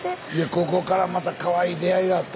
ここからまたかわいい出会いがあったんですよ。